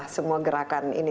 semua gerakan ini